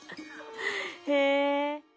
へえ。